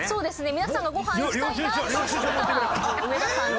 皆さんがごはん行きたいなと思ったら上田さんが。